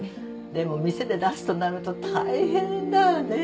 でも店で出すとなると大変だわね